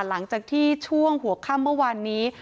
หลังจากที่ช่วงหัวค่ำเมื่อวานนี้